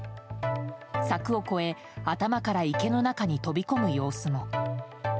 柵を越え、頭から池の中に飛び込む様子も。